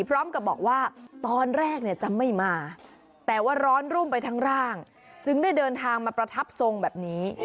พร้อมกับบอกว่าตอนแรกเนี่ยจะไม่มาแต่ว่าร้อนรุ่มไปทั้งร่างจึงได้เดินทางมาประทับทรงแบบนี้